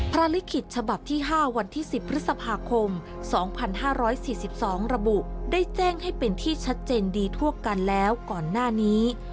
ลิขิตฉบับที่๕วันที่๑๐พฤษภาคม๒๕๔๒ระบุได้แจ้งให้เป็นที่ชัดเจนดีทั่วกันแล้วก่อนหน้านี้